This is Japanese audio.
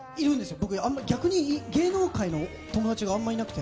僕、逆に芸能界の友達があんまりいなくて。